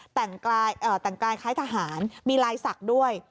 แต่งกายคล้ายทหารมีลายศักดิ์ด้วย